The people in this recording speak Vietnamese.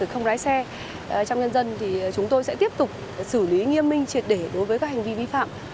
không lái xe trong nhân dân thì chúng tôi sẽ tiếp tục xử lý nghiêm minh triệt để đối với các hành vi vi phạm